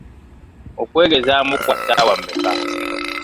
Okwegezaamu kwa saawa mekka.?